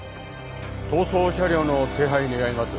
逃走車両の手配願います。